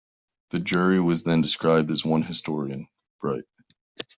The jury was then described as a one historian, bright.